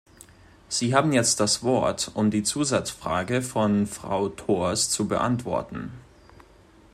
Sie haben jetzt das Wort, um die Zusatzfrage von Frau Thors zu beantworten.